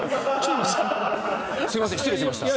すいません、失礼しました。